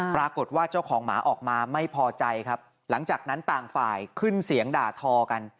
ปรากฏว่าเจ้าของหมาออกมาไม่พอใจครับหลังจากนั้นต่างฝ่ายขึ้นเสียงด่าทอกัน